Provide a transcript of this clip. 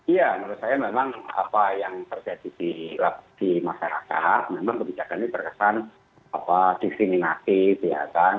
iya menurut saya memang apa yang terjadi di masyarakat memang kebijakan ini berkesan diskriminatif